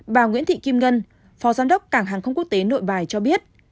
bà nguyễn thị kim ngân phó giám đốc cảng hàng không quốc tế nội bài cho biết